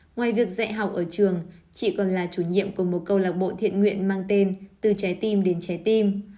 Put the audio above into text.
ngoài việc dạy học ở trường chị còn là chủ nhiệm của một câu lạc bộ thiện nguyện mang tên từ trái tim đến trái tim